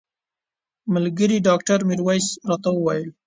ملګري ډاکټر میرویس راته وویل.